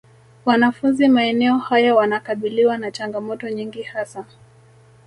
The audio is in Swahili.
Wanafunzi maeneo haya wanakabiliwa na changamoto nyingi hasa